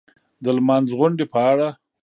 د لمانځغونډې په اړه